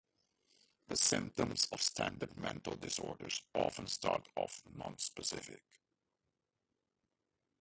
The symptoms of standard mental disorders often start off non-specific.